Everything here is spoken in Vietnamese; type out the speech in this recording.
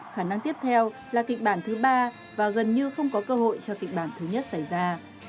khả năng tiếp theo là kịch bản thứ ba và gần như không có cơ hội cho kịch bản thứ nhất xảy ra